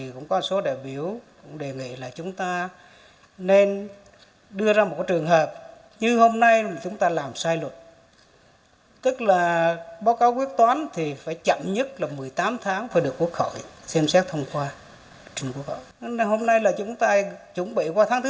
chúng ta đã chuẩn bị qua tháng thứ hai mươi rồi